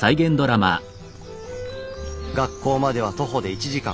学校までは徒歩で１時間。